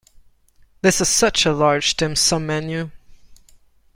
This is such a large dim sum menu.